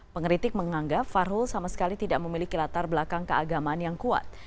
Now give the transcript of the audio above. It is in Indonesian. pengeritik menganggap fahrul sama sekali tidak memiliki latar belakang keagamaan yang kuat